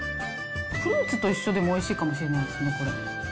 フルーツと一緒でもおいしいかもしれないですね、これ。